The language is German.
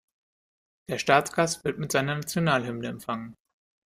Der Staatsgast wird mit seiner Nationalhymne empfangen.